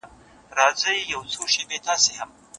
چي یې قبر د بابا ورته پېغور سو